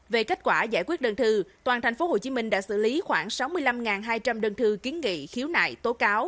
về kết quả giải quyết đơn thư toàn thành phố hồ chí minh đã xử lý khoảng sáu mươi năm hai trăm linh đơn thư kiến nghị khiếu nại tố cáo